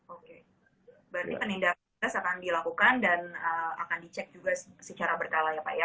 oke berarti penindakan tegas akan dilakukan dan akan dicek juga secara berkala ya pak ya